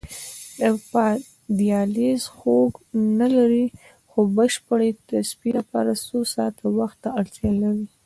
دیالیز خوږ نه لري خو بشپړې تصفیې لپاره څو ساعته وخت ته اړتیا لري.